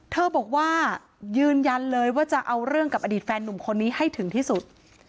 เธอบอกว่ายืนยันเลยว่าจะเอาเรื่องกับอดีตแฟนหนุ่มคนนี้ให้ถึงที่สุด